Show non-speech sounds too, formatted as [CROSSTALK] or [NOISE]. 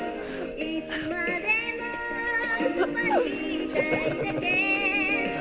ハハハ [LAUGHS]